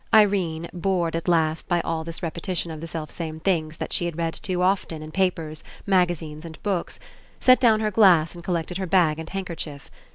Irene, bored at last by all this repetition of the selfsame things that she had read all too often in papers, magazines, and books, set down her glass and collected her bag and handkerchief.